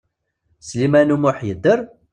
Sliman U Muḥ yedder?